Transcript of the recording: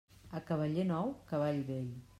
A cavaller nou, cavall vell.